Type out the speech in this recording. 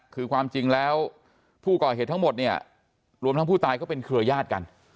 คือความจริงแล้วผู้ก่อเหตุทั้งหมดเนี่ยรวมทั้งผู้ตายก็เป็นเครือญาติกัน